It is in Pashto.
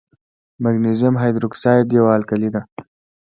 مګنیزیم هایدروکساید یوه القلي ده.